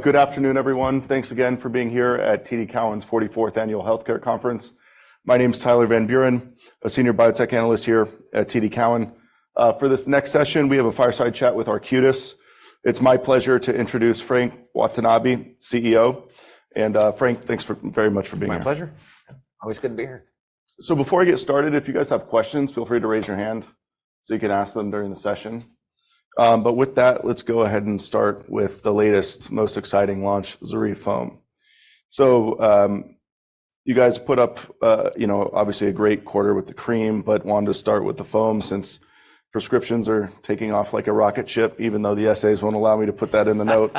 Good afternoon, everyone. Thanks again for being here at TD Cowen's 44th Annual Healthcare Conference. My name is Tyler Van Buren, a senior biotech analyst here at TD Cowen. For this next session, we have a fireside chat with Arcutis. It's my pleasure to introduce Frank Watanabe, CEO, and Frank, thanks very much for being here. My pleasure. Always good to be here. So before I get started, if you guys have questions, feel free to raise your hand so you can ask them during the session. But with that, let's go ahead and start with the latest, most exciting launch, ZORYVE foam. So, you guys put up, you know, obviously a great quarter with the cream, but wanted to start with the foam since prescriptions are taking off like a rocket ship, even though the SAs won't allow me to put that in the note.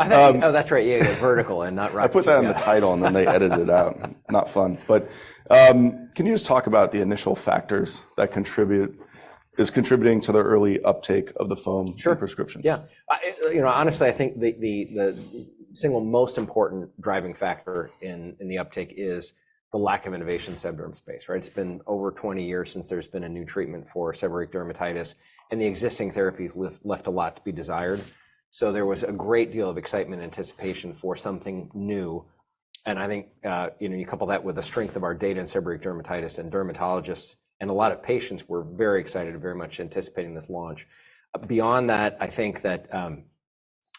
Oh, that's right, yeah, yeah, vertical and not rocket ship. I put that in the title, and then they edited it out. Not fun. But, can you just talk about the initial factors that contribute-- is contributing to the early uptake of the foam- Sure -and prescriptions? Yeah. You know, honestly, I think the single most important driving factor in the uptake is the lack of innovation in the SebDerm space, right? It's been over 20 years since there's been a new treatment for seborrheic dermatitis, and the existing therapies left a lot to be desired. So there was a great deal of excitement and anticipation for something new, and I think, you know, you couple that with the strength of our data in seborrheic dermatitis and dermatologists, and a lot of patients were very excited and very much anticipating this launch. Beyond that, I think that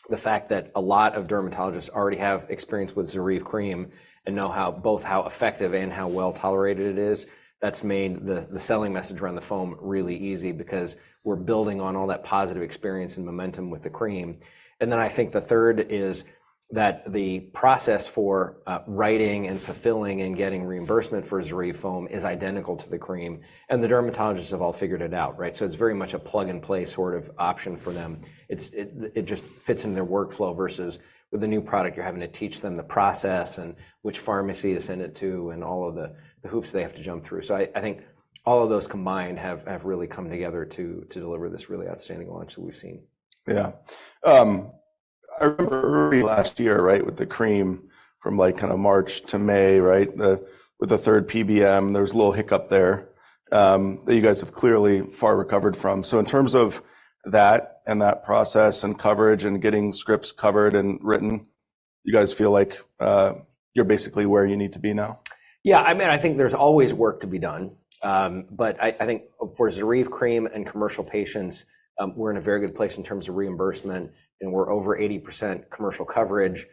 the fact that a lot of dermatologists already have experience with ZORYVE cream and know how, both how effective and how well-tolerated it is, that's made the selling message around the foam really easy because we're building on all that positive experience and momentum with the cream. And then I think the third is that the process for writing and fulfilling and getting reimbursement for ZORYVE foam is identical to the cream, and the dermatologists have all figured it out, right? So it's very much a plug-and-play sort of option for them. It just fits in their workflow versus with a new product, you're having to teach them the process and which pharmacy to send it to and all of the hoops they have to jump through. I think all of those combined have really come together to deliver this really outstanding launch that we've seen. Yeah. I remember early last year, right, with the cream from, like, kind of March to May, right, the, with the third PBM, there was a little hiccup there, that you guys have clearly far recovered from. So in terms of that and that process and coverage and getting scripts covered and written, you guys feel like, you're basically where you need to be now? Yeah, I mean, I think there's always work to be done. But I think for ZORYVE cream and commercial patients, we're in a very good place in terms of reimbursement, and we're over 80% commercial coverage.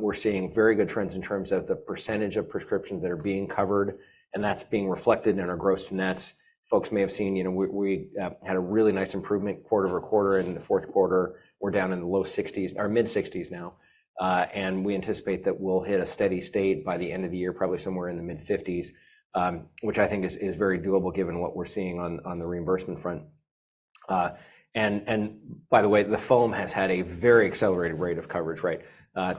We're seeing very good trends in terms of the percentage of prescriptions that are being covered, and that's being reflected in our gross nets. Folks may have seen, you know, we had a really nice improvement quarter-over-quarter in the fourth quarter. We're down in the low 60s or mid-60s now. And we anticipate that we'll hit a steady state by the end of the year, probably somewhere in the mid-50s, which I think is very doable given what we're seeing on the reimbursement front. And by the way, the foam has had a very accelerated rate of coverage, right?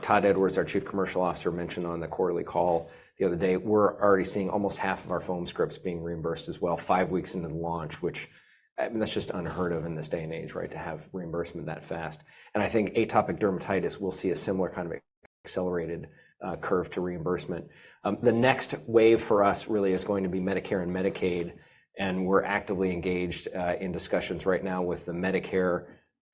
Todd Edwards, our Chief Commercial Officer, mentioned on the quarterly call the other day, we're already seeing almost half of our foam scripts being reimbursed as well, 5 weeks into the launch, which, I mean, that's just unheard of in this day and age, right, to have reimbursement that fast. I think atopic dermatitis will see a similar kind of accelerated curve to reimbursement. The next wave for us really is going to be Medicare and Medicaid, and we're actively engaged in discussions right now with the Medicare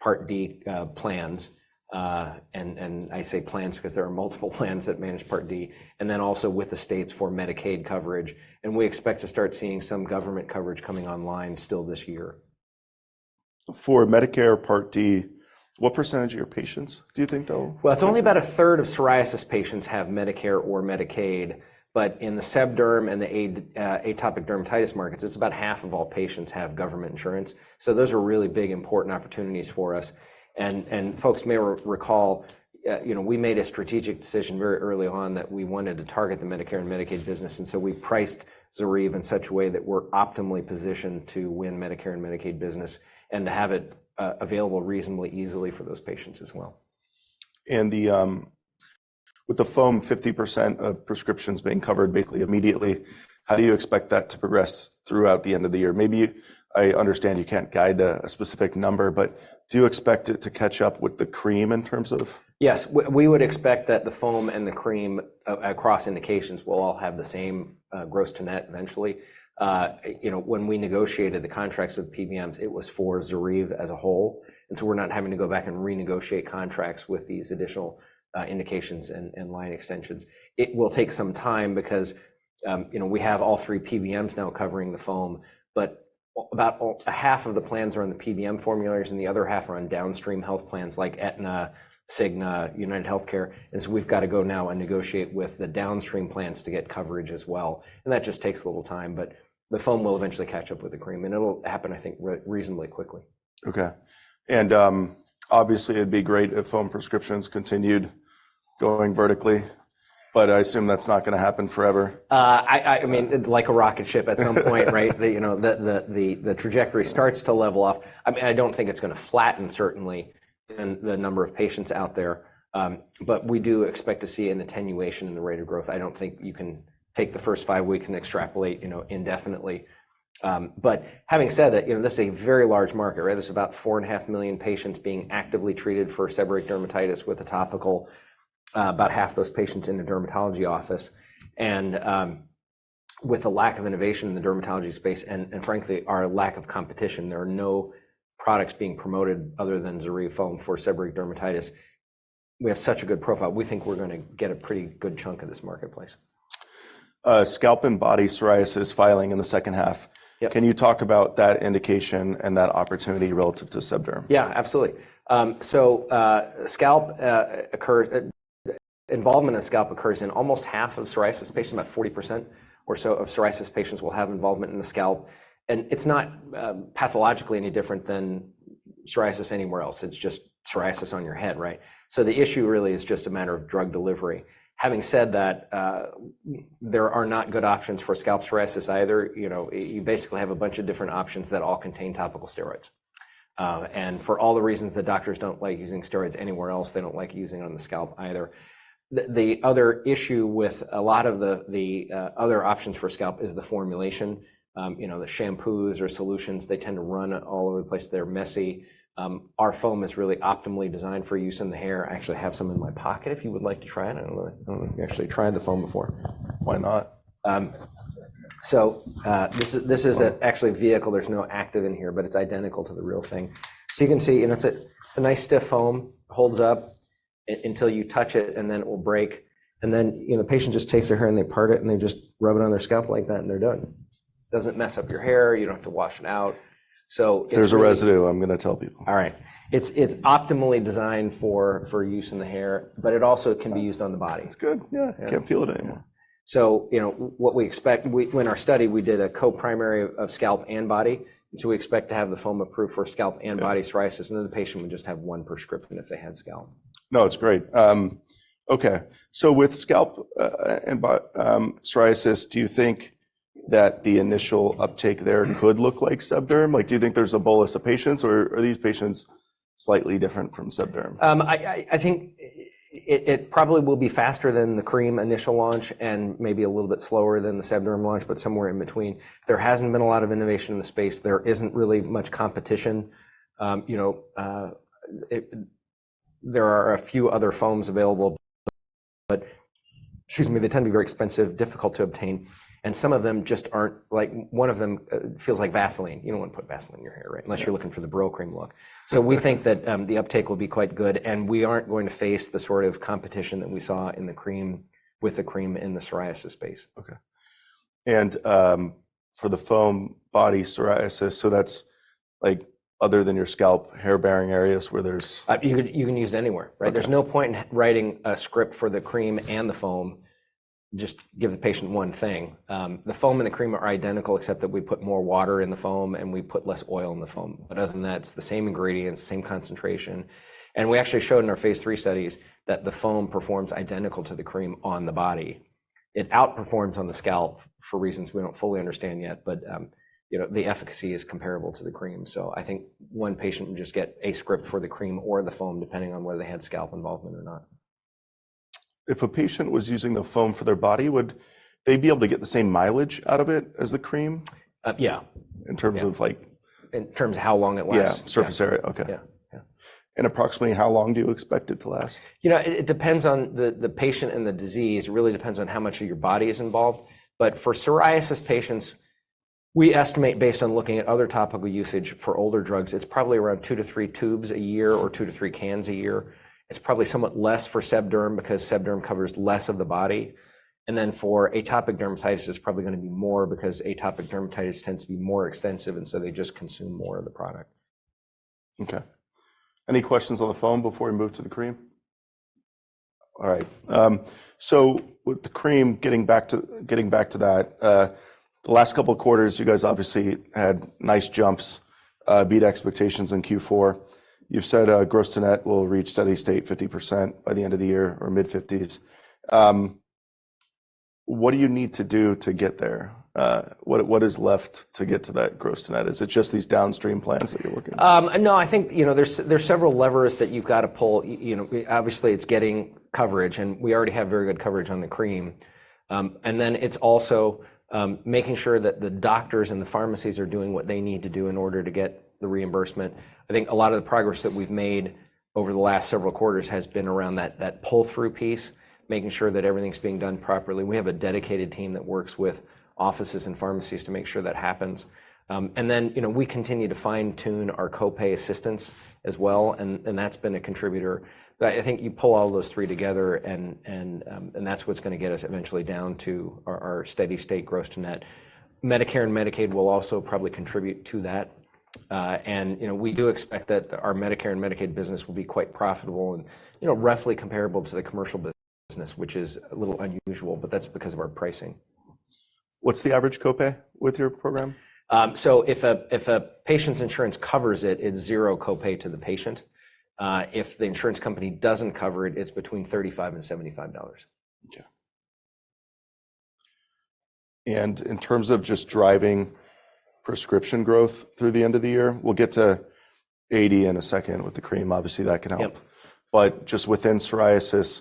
Part D plans. And I say plans because there are multiple plans that manage Part D, and then also with the states for Medicaid coverage, and we expect to start seeing some government coverage coming online still this year. For Medicare Part D, what percentage of your patients do you think they'll- Well, it's only about a third of psoriasis patients have Medicare or Medicaid, but in the SebDerm and the atopic dermatitis markets, it's about half of all patients have government insurance. So those are really big, important opportunities for us, and, and folks may recall, you know, we made a strategic decision very early on that we wanted to target the Medicare and Medicaid business, and so we priced ZORYVE in such a way that we're optimally positioned to win Medicare and Medicaid business and to have it available reasonably easily for those patients as well. With the foam, 50% of prescriptions being covered basically immediately, how do you expect that to progress throughout the end of the year? Maybe, I understand you can't guide a specific number, but do you expect it to catch up with the cream in terms of- Yes. We would expect that the foam and the cream across indications will all have the same gross to net eventually. You know, when we negotiated the contracts with PBMs, it was for ZORYVE as a whole, and so we're not having to go back and renegotiate contracts with these additional indications and, and line extensions. It will take some time because, you know, we have all three PBMs now covering the foam, but about half of the plans are on the PBM formularies, and the other half are on downstream health plans like Aetna, Cigna, UnitedHealthcare. And so we've got to go now and negotiate with the downstream plans to get coverage as well, and that just takes a little time, but the foam will eventually catch up with the cream, and it'll happen, I think, reasonably quickly. Okay. And, obviously, it'd be great if foam prescriptions continued going vertically, but I assume that's not gonna happen forever. I mean, like a rocket ship at some point, right? The, you know, the trajectory starts to level off. I mean, I don't think it's gonna flatten, certainly, given the number of patients out there. But we do expect to see an attenuation in the rate of growth. I don't think you can take the first 5 weeks and extrapolate, you know, indefinitely. But having said that, you know, this is a very large market, right? There's about 4.5 million patients being actively treated for seborrheic dermatitis with a topical, about half those patients in the dermatology office with the lack of innovation in the dermatology space, and frankly, our lack of competition, there are no products being promoted other than ZORYVE foam for seborrheic dermatitis. We have such a good profile. We think we're gonna get a pretty good chunk of this marketplace. Scalp and body psoriasis filing in the second half. Yep. Can you talk about that indication and that opportunity relative to SebDerm? Yeah, absolutely. Scalp involvement occurs in almost half of psoriasis patients. About 40% or so of psoriasis patients will have involvement in the scalp, and it's not pathologically any different than psoriasis anywhere else. It's just psoriasis on your head, right? So the issue really is just a matter of drug delivery. Having said that, there are not good options for scalp psoriasis either. You know, you basically have a bunch of different options that all contain topical steroids. And for all the reasons that doctors don't like using steroids anywhere else, they don't like using it on the scalp either. The other issue with a lot of the other options for scalp is the formulation. You know, the shampoos or solutions, they tend to run all over the place. They're messy. Our foam is really optimally designed for use in the hair. I actually have some in my pocket if you would like to try it. I don't know if you've actually tried the foam before. Why not? So, this is actually a vehicle. There's no active in here, but it's identical to the real thing. So you can see, you know, it's a nice, stiff foam. Holds up until you touch it, and then it will break, and then, you know, the patient just takes their hair, and they part it, and they just rub it on their scalp like that, and they're done. Doesn't mess up your hair. You don't have to wash it out, so- If there's a residue, I'm gonna tell people. All right. It's optimally designed for use in the hair, but it also can be used on the body. It's good, yeah. Yeah. Can't feel it anymore. So, you know, what we expect. In our study, we did a co-primary of scalp and body, and so we expect to have the foam approved for scalp and body psoriasis. Yeah... and then the patient would just have one prescription if they had scalp. No, it's great. Okay, so with scalp and body psoriasis, do you think that the initial uptake there could look like SebDerm? Like, do you think there's a bolus of patients, or are these patients slightly different from SebDerm? I think it probably will be faster than the cream initial launch and maybe a little bit slower than the SebDerm launch, but somewhere in between. There hasn't been a lot of innovation in the space. There isn't really much competition. You know, there are a few other foams available, but, excuse me, they tend to be very expensive, difficult to obtain, and some of them just aren't... Like, one of them feels like Vaseline. You don't want to put Vaseline in your hair, right? Yeah. Unless you're looking for the Brylcreem look. So we think that the uptake will be quite good, and we aren't going to face the sort of competition that we saw in the cream, with the cream in the psoriasis space. Okay, and for the foam, body psoriasis, so that's like other than your scalp, hair-bearing areas where there's- You can, you can use it anywhere, right? Okay. There's no point in writing a script for the cream and the foam. Just give the patient one thing. The foam and the cream are identical, except that we put more water in the foam, and we put less oil in the foam. But other than that, it's the same ingredients, same concentration, and we actually showed in our phase III studies that the foam performs identical to the cream on the body. It outperforms on the scalp for reasons we don't fully understand yet, but, you know, the efficacy is comparable to the cream. So I think one patient would just get a script for the cream or the foam, depending on whether they had scalp involvement or not. If a patient was using the foam for their body, would they be able to get the same mileage out of it as the cream? Uh, yeah. In terms of, like- In terms of how long it lasts? Yeah. Yeah. Surface area. Okay. Yeah, yeah. Approximately how long do you expect it to last? You know, it depends on the patient and the disease. It really depends on how much of your body is involved, but for psoriasis patients, we estimate, based on looking at other topical usage for older drugs, it's probably around 2-3 tubes a year or 2-3 cans a year. It's probably somewhat less for SebDerm because SebDerm covers less of the body, and then for atopic dermatitis, it's probably gonna be more because atopic dermatitis tends to be more extensive, and so they just consume more of the product. Okay. Any questions on the foam before we move to the cream? All right, so with the cream, getting back to, getting back to that, the last couple of quarters, you guys obviously had nice jumps, beat expectations in Q4. You've said, gross to net will reach steady state 50% by the end of the year or mid-50s%. What do you need to do to get there? What, what is left to get to that gross to net? Is it just these downstream plans that you're working on? No, I think, you know, there's several levers that you've got to pull. You know, obviously, it's getting coverage, and we already have very good coverage on the cream. And then it's also making sure that the doctors and the pharmacies are doing what they need to do in order to get the reimbursement. I think a lot of the progress that we've made over the last several quarters has been around that pull-through piece, making sure that everything's being done properly. We have a dedicated team that works with offices and pharmacies to make sure that happens. And then, you know, we continue to fine-tune our co-pay assistance as well, and that's been a contributor. But I think you pull all those three together, and that's what's gonna get us eventually down to our, our steady-state gross to net. Medicare and Medicaid will also probably contribute to that, and, you know, we do expect that our Medicare and Medicaid business will be quite profitable and, you know, roughly comparable to the commercial business, which is a little unusual, but that's because of our pricing. What's the average co-pay with your program? So if a patient's insurance covers it, it's 0 co-pay to the patient. If the insurance company doesn't cover it, it's between $35 and $75. Okay, and in terms of just driving prescription growth through the end of the year, we'll get to 80 in a second with the cream. Obviously, that can help. Yep. But just within psoriasis,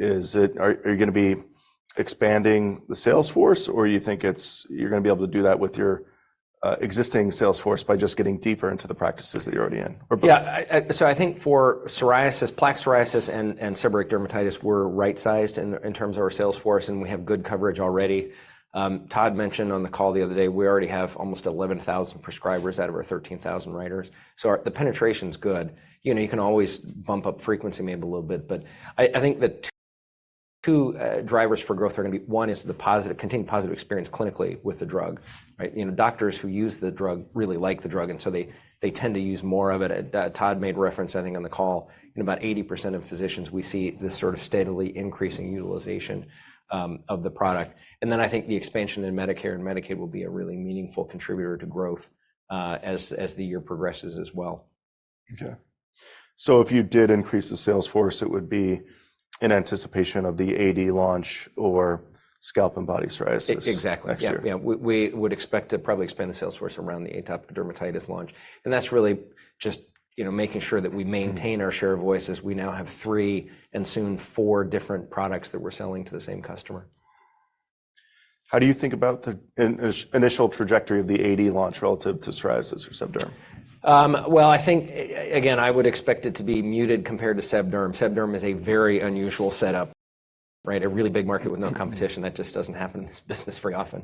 are you gonna be expanding the sales force, or you think you're gonna be able to do that with your existing sales force by just getting deeper into the practices that you're already in, or both? Yeah, I- so I think for psoriasis, plaque psoriasis, and seborrheic dermatitis, we're right-sized in terms of our sales force, and we have good coverage already. Todd mentioned on the call the other day, we already have almost 11,000 prescribers out of our 13,000 writers. So the penetration's good. You know, you can always bump up frequency maybe a little bit, but I think that two drivers for growth are gonna be, one is the positive, continued positive experience clinically with the drug, right? You know, doctors who use the drug really like the drug, and so they tend to use more of it. Todd made reference, I think, on the call, in about 80% of physicians, we see this sort of steadily increasing utilization of the product. And then I think the expansion in Medicare and Medicaid will be a really meaningful contributor to growth, as the year progresses as well. Okay. If you did increase the sales force, it would be in anticipation of the AD launch or scalp and body psoriasis? Ex- exactly. - next year? Yeah, yeah. We would expect to probably expand the sales force around the atopic dermatitis launch, and that's really just, you know, making sure that we maintain- Mm-hmm our share of voice as we now have three, and soon four different products that we're selling to the same customer. How do you think about the initial trajectory of the AD launch relative to psoriasis or SebDerm? Well, I think, again, I would expect it to be muted compared to SebDerm. SebDerm is a very unusual setup, right? A really big market with no competition. Mm-hmm. That just doesn't happen in this business very often.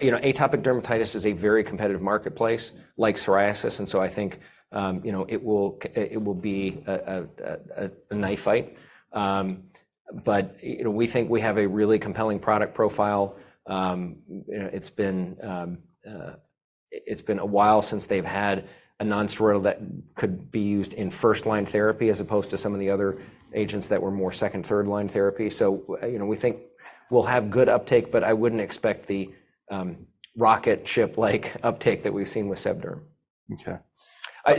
You know, atopic dermatitis is a very competitive marketplace, like psoriasis, and so I think, you know, it will be a knife fight. But, you know, we think we have a really compelling product profile. You know, it's been a while since they've had a non-steroidal that could be used in first-line therapy as opposed to some of the other agents that were more second-, third-line therapy. So, you know, we think we'll have good uptake, but I wouldn't expect the rocket ship-like uptake that we've seen with SebDerm. Okay.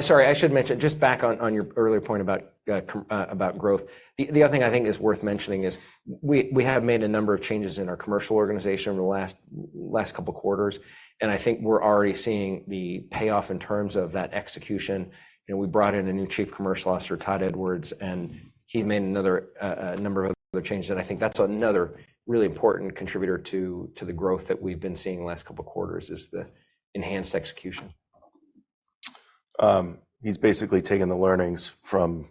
Sorry, I should mention, just back on your earlier point about growth. The other thing I think is worth mentioning is we have made a number of changes in our commercial organization over the last couple quarters, and I think we're already seeing the payoff in terms of that execution. You know, we brought in a new Chief Commercial Officer, Todd Edwards, and he's made a number of other changes, and I think that's another really important contributor to the growth that we've been seeing the last couple quarters, is the enhanced execution. He's basically taken the learnings from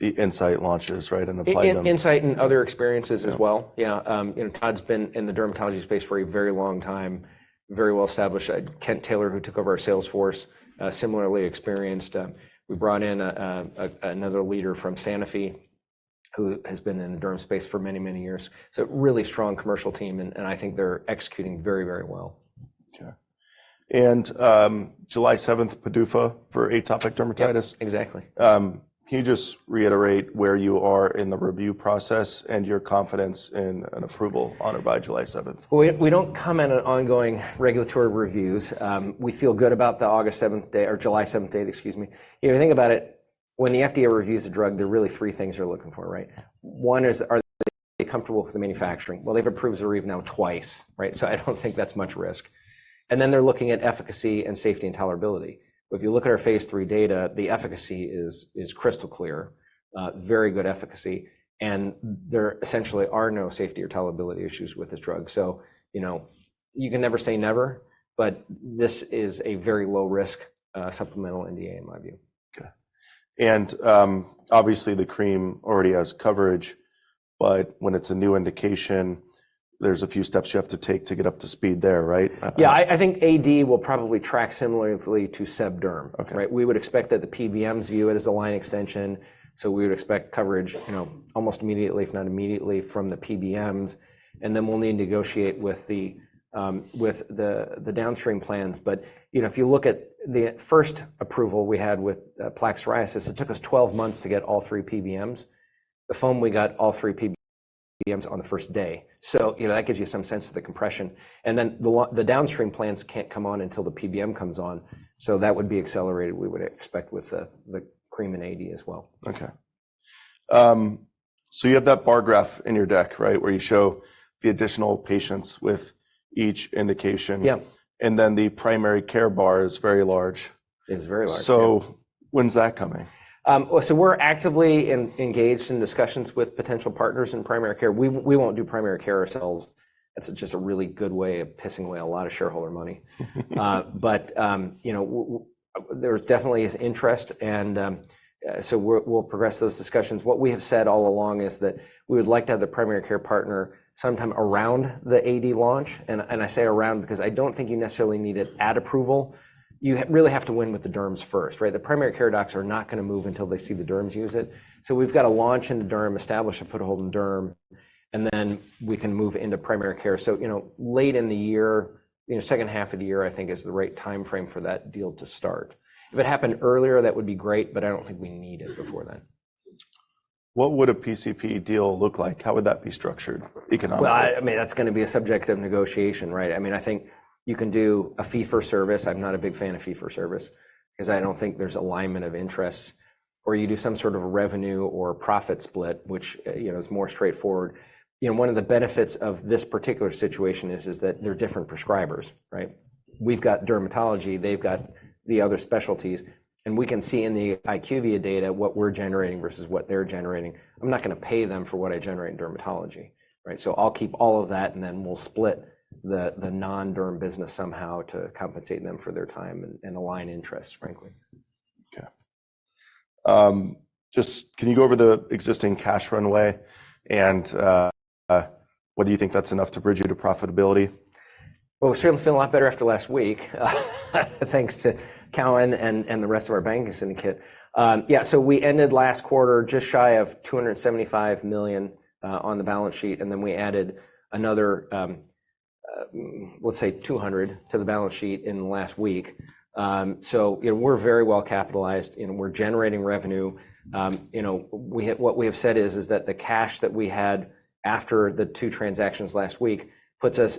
the Incyte launches, right, and applied them? Incyte and other experiences as well. Yeah. Yeah, you know, Todd's been in the dermatology space for a very long time, very well-established. Kent Taylor, who took over our sales force, similarly experienced. We brought in another leader from Sanofi who has been in the derm space for many, many years. So a really strong commercial team, and I think they're executing very, very well. Okay. And July seventh, PDUFA for atopic dermatitis? Yep, exactly. Can you just reiterate where you are in the review process and your confidence in an approval on or by July seventh? Well, we don't comment on ongoing regulatory reviews. We feel good about the August seventh date, or July seventh date, excuse me. You know, think about it, when the FDA reviews a drug, there are really three things they're looking for, right? One is, are they comfortable with the manufacturing? Well, they've approved ZORYVE now twice, right? So I don't think that's much risk. And then they're looking at efficacy and safety and tolerability. If you look at our phase III data, the efficacy is crystal clear. Very good efficacy, and there essentially are no safety or tolerability issues with this drug. So, you know, you can never say never, but this is a very low-risk supplemental NDA in my view. Okay. And obviously, the cream already has coverage, but when it's a new indication, there's a few steps you have to take to get up to speed there, right? Yeah, I think AD will probably track similarly to SebDerm. Okay. Right? We would expect that the PBMs view it as a line extension, so we would expect coverage, you know, almost immediately, if not immediately, from the PBMs, and then we'll need to negotiate with the, with the, the downstream plans. But, you know, if you look at the first approval we had with plaque psoriasis, it took us 12 months to get all three PBMs. The foam, we got all three PBMs on the first day, so, you know, that gives you some sense of the compression. And then, the downstream plans can't come on until the PBM comes on, so that would be accelerated, we would expect with the, the cream in AD as well. Okay. So you have that bar graph in your deck, right, where you show the additional patients with each indication? Yeah. And then the primary care bar is very large. It's very large, yeah. When's that coming? So we're actively engaged in discussions with potential partners in primary care. We won't do primary care ourselves. That's just a really good way of pissing away a lot of shareholder money. But you know, there definitely is interest, and so we'll progress those discussions. What we have said all along is that we would like to have the primary care partner sometime around the AD launch, and I say around because I don't think you necessarily need it at approval. You really have to win with the derms first, right? The primary care docs are not gonna move until they see the derms use it. So we've got to launch into derm, establish a foothold in derm, and then we can move into primary care. So, you know, late in the year, you know, second half of the year, I think, is the right timeframe for that deal to start. If it happened earlier, that would be great, but I don't think we need it before then. What would a PCP deal look like? How would that be structured economically? Well, I mean, that's gonna be a subject of negotiation, right? I mean, I think you can do a fee for service. I'm not a big fan of fee for service, 'cause I don't think there's alignment of interests. Or you do some sort of a revenue or profit split, which, you know, is more straightforward. You know, one of the benefits of this particular situation is that they're different prescribers, right? We've got dermatology, they've got the other specialties, and we can see in the IQVIA data what we're generating versus what they're generating. I'm not gonna pay them for what I generate in dermatology, right? So I'll keep all of that, and then we'll split the non-derm business somehow to compensate them for their time and align interests, frankly. Okay, just can you go over the existing cash runway, and whether you think that's enough to bridge you to profitability? Well, we certainly feel a lot better after last week, thanks to Cowen and the rest of our banking syndicate. Yeah, so we ended last quarter just shy of $275 million on the balance sheet, and then we added another, let's say $200 million to the balance sheet in the last week. So, you know, we're very well capitalized, and we're generating revenue. You know, we have what we have said is that the cash that we had after the two transactions last week puts us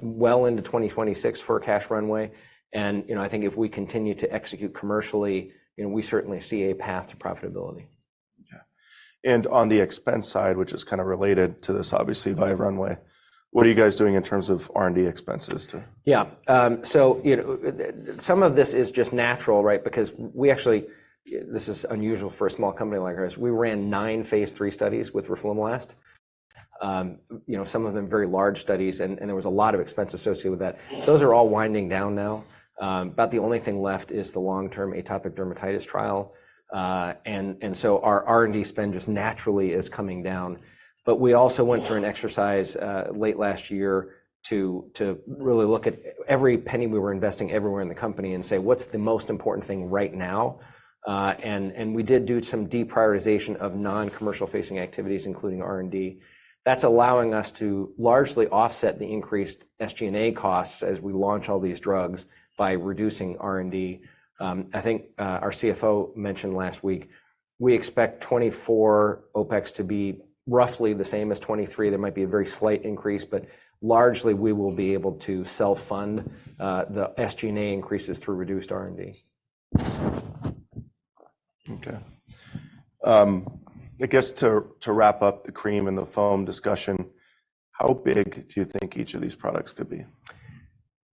well into 2026 for a cash runway. You know, I think if we continue to execute commercially, you know, we certainly see a path to profitability. Yeah. On the expense side, which is kind of related to this, obviously, via runway, what are you guys doing in terms of R&D expenses, too? Yeah. So, you know, some of this is just natural, right? Because we actually... This is unusual for a small company like ours. We ran nine phase 3 studies with roflumilast. You know, some of them, very large studies, and there was a lot of expense associated with that. Those are all winding down now. About the only thing left is the long-term atopic dermatitis trial. And so our R&D spend just naturally is coming down. But we also went through an exercise, late last year to really look at every penny we were investing everywhere in the company and say: What's the most important thing right now? And we did do some deprioritization of non-commercial facing activities, including R&D. That's allowing us to largely offset the increased SG&A costs as we launch all these drugs by reducing R&D. I think our CFO mentioned last week we expect 2024 OPEX to be roughly the same as 2023. There might be a very slight increase, but largely we will be able to self-fund the SG&A increases through reduced R&D. Okay. I guess to wrap up the cream and the foam discussion, how big do you think each of these products could be?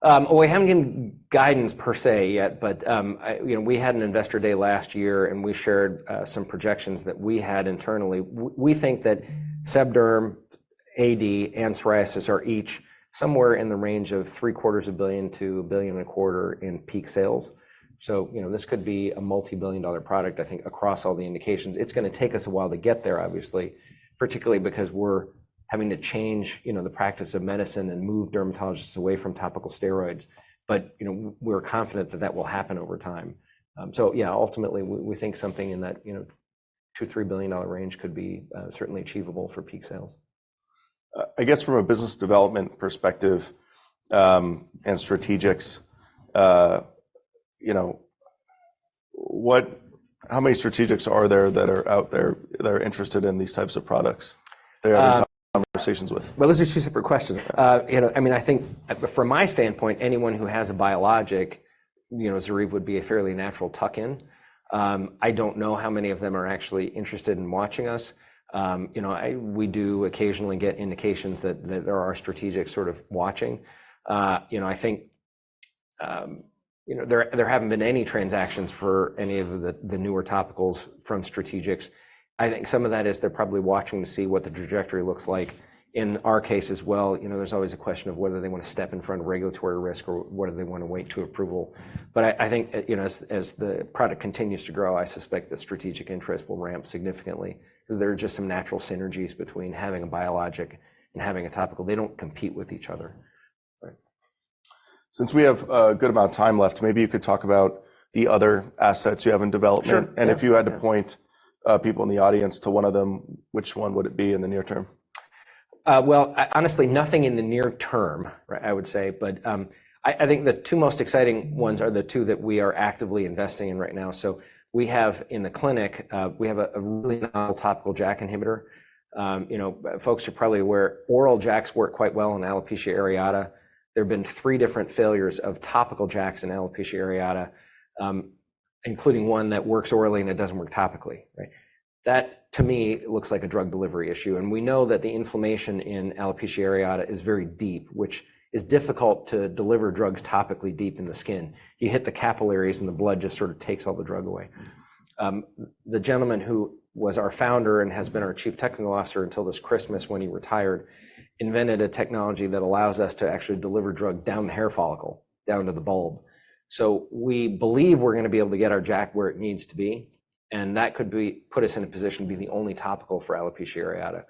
We haven't given guidance, per se, yet, but, I... You know, we had an Investor Day last year, and we shared some projections that we had internally. We think that SebDerm, AD, and psoriasis are each somewhere in the range of $0.75-$1.25 billion in peak sales. So, you know, this could be a multi-billion dollar product, I think, across all the indications. It's gonna take us a while to get there, obviously, particularly because we're having to change, you know, the practice of medicine and move dermatologists away from topical steroids. But, you know, we're confident that that will happen over time. So yeah, ultimately, we think something in that, you know, $2 billion-$3 billion range could be certainly achievable for peak sales. I guess from a business development perspective, and strategics, you know, how many strategics are there that are out there, that are interested in these types of products, that you're having conversations with? Well, those are two separate questions. Okay. You know, I mean, I think, from my standpoint, anyone who has a biologic, you know, ZORYVE would be a fairly natural tuck-in. I don't know how many of them are actually interested in watching us. You know, we do occasionally get indications that there are strategics sort of watching. You know, I think, you know, there haven't been any transactions for any of the newer topicals from strategics. I think some of that is they're probably watching to see what the trajectory looks like. In our case as well, you know, there's always a question of whether they want to step in front of regulatory risk, or whether they want to wait to approval. But I think, you know, as the product continues to grow, I suspect the strategic interest will ramp significantly, 'cause there are just some natural synergies between having a biologic and having a topical. They don't compete with each other. Right. Since we have a good amount of time left, maybe you could talk about the other assets you have in development. Sure. If you had to point people in the audience to one of them, which one would it be in the near term? Well, honestly, nothing in the near term, I would say. But, I think the two most exciting ones are the two that we are actively investing in right now. So we have, in the clinic, we have a really novel topical JAK inhibitor. You know, folks, you're probably aware oral JAKs work quite well in alopecia areata. There have been three different failures of topical JAKs in alopecia areata, including one that works orally and it doesn't work topically, right? That, to me, looks like a drug delivery issue, and we know that the inflammation in alopecia areata is very deep, which is difficult to deliver drugs topically deep in the skin. You hit the capillaries, and the blood just sort of takes all the drug away. The gentleman who was our founder and has been our chief technical officer until this Christmas, when he retired, invented a technology that allows us to actually deliver drug down the hair follicle, down to the bulb. So we believe we're gonna be able to get our JAK where it needs to be, and that could put us in a position to be the only topical for alopecia areata.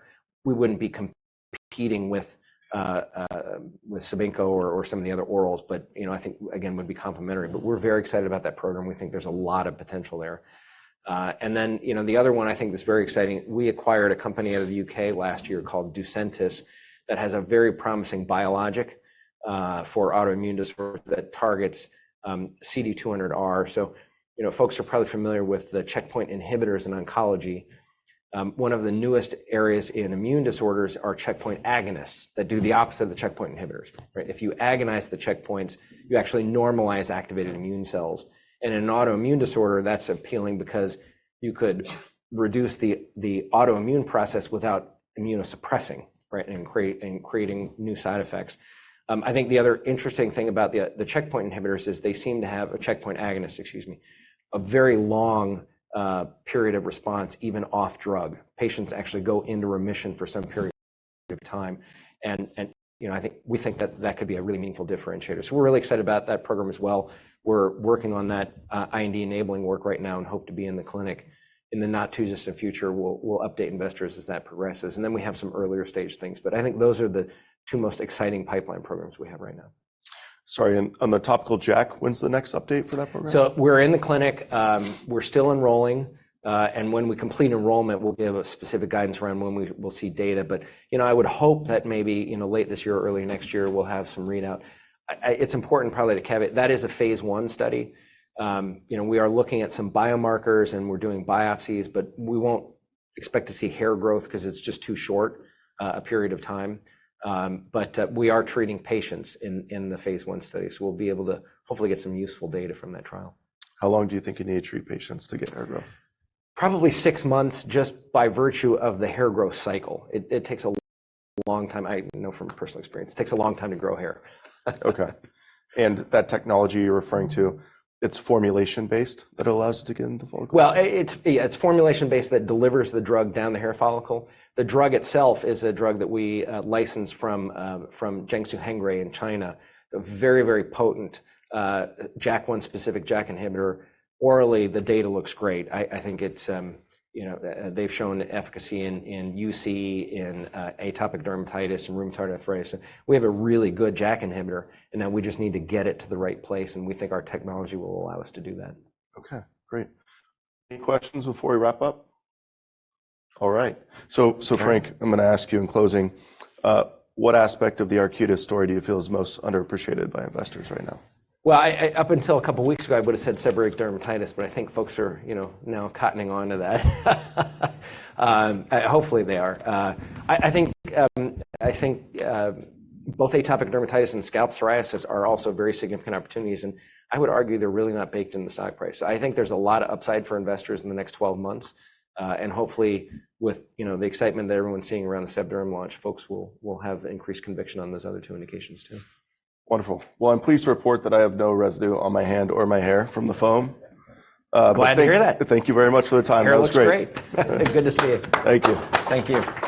We wouldn't be competing with CIBINQO or some of the other orals, but, you know, I think, again, would be complementary. But we're very excited about that program. We think there's a lot of potential there. And then, you know, the other one I think that's very exciting, we acquired a company out of the U.K. last year, called Ducentis, that has a very promising biologic for autoimmune disorders, that targets CD200R. So, you know, folks are probably familiar with the checkpoint inhibitors in oncology. One of the newest areas in immune disorders are checkpoint agonists that do the opposite of the checkpoint inhibitors, right? If you agonize the checkpoints, you actually normalize activated immune cells. And in an autoimmune disorder, that's appealing because you could reduce the autoimmune process without immunosuppressing, right, and creating new side effects. I think the other interesting thing about the checkpoint inhibitors is they seem to have a checkpoint agonist, excuse me, a very long period of response, even off drug. Patients actually go into remission for some period of time, and, you know, I think we think that could be a really meaningful differentiator. So we're really excited about that program as well. We're working on that, IND-enabling work right now, and hope to be in the clinic in the not too distant future. We'll update investors as that progresses, and then we have some earlier stage things. But I think those are the two most exciting pipeline programs we have right now. Sorry, and on the topical JAK, when's the next update for that program? So we're in the clinic. We're still enrolling, and when we complete enrollment, we'll give a specific guidance around when we will see data. But, you know, I would hope that maybe, you know, late this year or early next year we'll have some readout. It's important probably to caveat, that is a phase I study. You know, we are looking at some biomarkers, and we're doing biopsies, but we won't expect to see hair growth 'cause it's just too short, a period of time. But, we are treating patients in the phase I study. So we'll be able to hopefully get some useful data from that trial. How long do you think you need to treat patients to get hair growth? Probably six months, just by virtue of the hair growth cycle. It takes a long time. I know from personal experience, it takes a long time to grow hair. Okay, and that technology you're referring to, it's formulation-based that allows it to get into the follicle? Well, it's, yeah, it's formulation-based that delivers the drug down the hair follicle. The drug itself is a drug that we licensed from Jiangsu Hengrui in China. A very, very potent JAK1-specific JAK inhibitor. Orally, the data looks great. I think it's, you know, they've shown efficacy in UC, in atopic dermatitis, and rheumatoid arthritis, and we have a really good JAK inhibitor, and now we just need to get it to the right place, and we think our technology will allow us to do that. Okay, great. Any questions before we wrap up? All right. Sure. So, so Frank, I'm gonna ask you in closing, what aspect of the Arcutis story do you feel is most underappreciated by investors right now? Well, up until a couple of weeks ago, I would've said seborrheic dermatitis, but I think folks are, you know, now cottoning on to that. Hopefully they are. I think both atopic dermatitis and scalp psoriasis are also very significant opportunities, and I would argue they're really not baked in the stock price. I think there's a lot of upside for investors in the next 12 months. And hopefully with, you know, the excitement that everyone's seeing around the Sebderm launch, folks will have increased conviction on those other two indications, too. Wonderful. Well, I'm pleased to report that I have no residue on my hand or my hair from the foam. But thank- Glad to hear that! Thank you very much for the time. It was great. Your hair looks great. Good to see you. Thank you. Thank you.